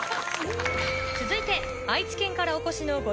続いて。